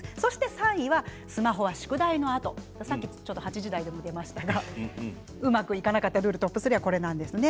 ３位はスマホは宿題のあと８時台にも出ましたがうまくいかなかったルールトップ３がこれですね。